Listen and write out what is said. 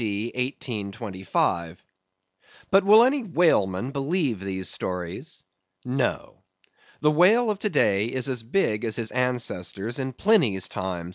D. 1825. But will any whaleman believe these stories? No. The whale of to day is as big as his ancestors in Pliny's time.